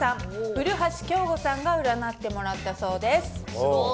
古橋享梧さんが占ってもらったそうです。